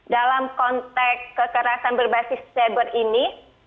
dalam konteks kekerasan berbasis cyber ini